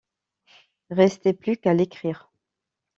Restait plus qu'à l'écrire.